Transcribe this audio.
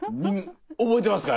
覚えてますか？